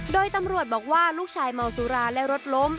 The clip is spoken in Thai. โดยตำรวจบอกว่าลูกชายเมาสุราและรถล้ม